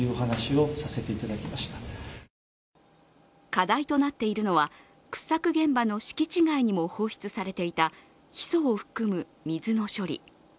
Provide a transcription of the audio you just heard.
課題となっているのは掘削現場の敷地外にも放出されていたヒ素を含む水の処理。